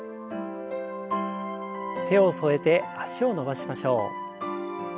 手を添えて脚を伸ばしましょう。